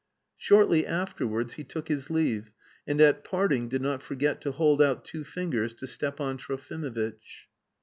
Shortly afterwards he took his leave and at parting did not forget to hold out two fingers to Stepan Trofimovitch.